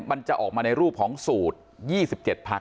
มันจะออกมาในรูปของสูตร๒๗พัก